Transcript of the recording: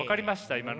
今の。